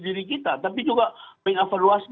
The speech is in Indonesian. diri kita tapi juga mengevaluasi